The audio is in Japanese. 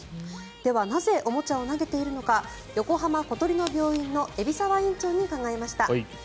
では、なぜおもちゃを投げているのか横浜小鳥の病院の海老沢院長に伺いました。